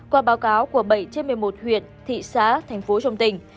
qua báo cáo của bảy trên một mươi một huyện thị xã thành phố trong tỉnh